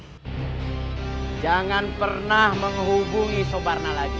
hai jangan pernah menghubungi sobar lagi